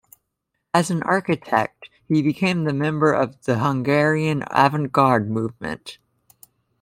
As an architect, he became the member of the Hungarian avantgarde movement.